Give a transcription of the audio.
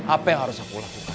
apa yang harus aku lakukan